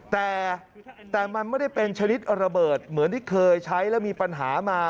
แต่มันไม่ได้เป็นชนิดระเบิดเหมือนที่เคยใช้แล้วมีปัญหามา